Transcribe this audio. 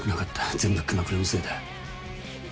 全部熊倉のせいだ。